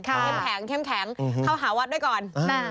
เข้มแข็งเข้าหาวัดด้วยก่อน